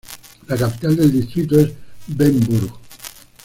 La capital del distrito es Bernburg.